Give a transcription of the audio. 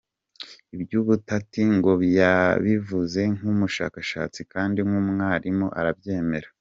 Iby’ubutati ngo yabivuze nk’umushakashatsi kandi nk’umwalimu arabyemerewe.